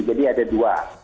jadi ada dua